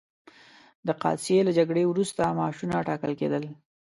د قادسیې له جګړې وروسته معاشونه ټاکل کېدل.